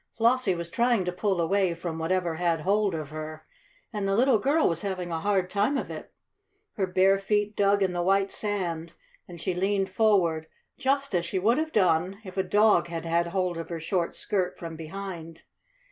Flossie was trying to pull away from whatever had hold of her, and the little girl was having a hard time of it. Her bare feet dug in the white sand, and she leaned forward, just as she would have done if a dog had had hold of her short skirt from behind.